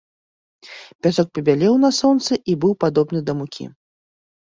Пясок пабялеў на сонцы і быў падобны да мукі.